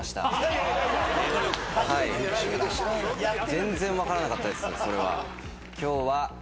全然分からなかったです。